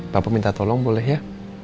bapak minta tolong boleh ya